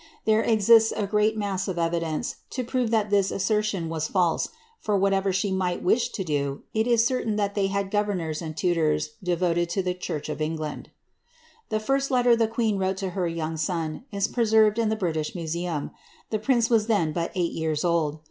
There ezisto a grsat ■ of eridence, to profe that this assertion waa fidse, for whatever she |kt wish to do, it ii certain that they had governors and tutors da> sd to the chuich of England. rhe first letter the qneen wrote to her young son, is presenred in the tHh Museum ; the pince was then but eight years old.